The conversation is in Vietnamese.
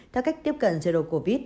theo cách tiếp cận zero covid